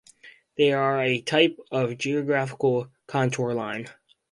They are a type of geographical contour line.